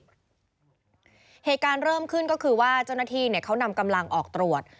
เหตุการณ์เริ่มขึ้นก็คือว่าเจ้าหน้าที่เขานำกำลังออกตรวจ